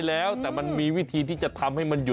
ลองวิธีนี้ดูครับ